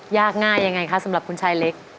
ยากง่ายยังไงคะสำหรับคุณชายเล็ก